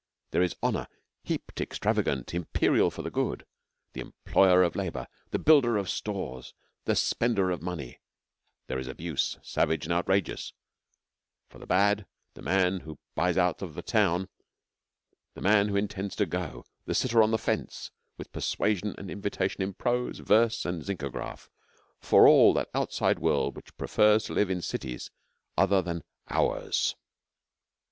There is honour, heaped, extravagant, imperial for the good the employer of labour, the builder of stores, the spender of money; there is abuse, savage and outrageous, for the bad, the man who 'buys out of the town,' the man who intends to go, the sitter on the fence; with persuasion and invitation in prose, verse, and zincograph for all that outside world which prefers to live in cities other than Ours.